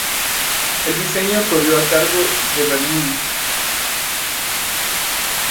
El diseño corrió a cargo de Bernini.